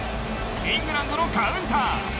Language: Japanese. イングランドのカウンター。